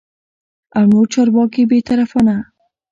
او نور چارواکي بې طرفانه